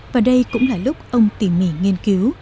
và đây cũng là lúc ông tỉ mỉ nghiên cứu